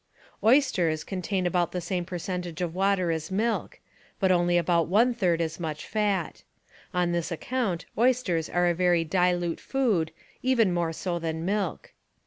Oysters contain about the same percentage of water as milk, but only about one third as much fat. On this account oysters are a very dilute food, even more so than milk.